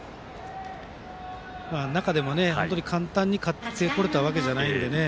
中でも、簡単に勝ってこれたわけじゃないので。